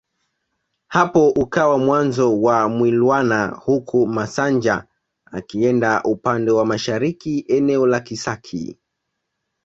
Hapo ukawa mwanzo wa Mwilwana huku Masanja akienda upande wa mashariki eneo la Kisaki